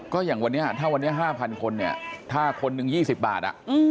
ก็อย่างวันนี้ถ้าวันนี้๕๐๐๐คน๕คนหนึ่ง๒๐บาท